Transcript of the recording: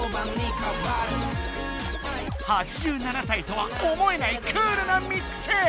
８７歳とは思えないクールなミックス。